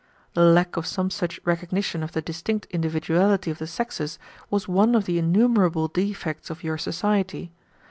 The lack of some such recognition of the distinct individuality of the sexes was one of the innumerable defects of your society.